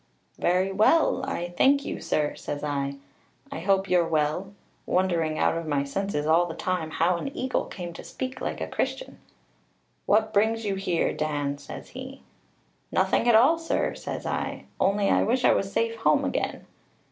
'Very well, I thank you, sir,' says I; 'I hope you're well;' wondering out of my senses all the time how an eagle came to speak like a Christian. 'What brings you here, Dan,' says he. 'Nothing at all, sir,' says I; 'only I wish I was safe home again.'